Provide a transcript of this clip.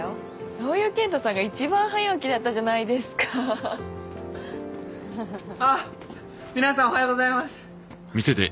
そういうケンタさんが一番早起きだったじゃないですかあっ皆さんおはようございます！